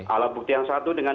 alat bukti yang satu dengan